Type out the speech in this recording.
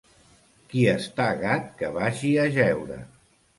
Qui està gat que vagi a jeure.